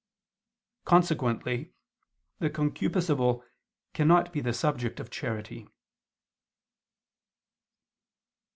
Consequently the concupiscible cannot be the subject of charity.